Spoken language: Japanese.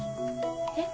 え？